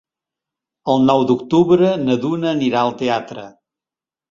El nou d'octubre na Duna anirà al teatre.